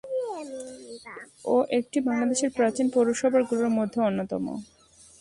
ও এটি বাংলাদেশের প্রাচীন পৌরসভার গুলোর মধ্যে অন্যতম।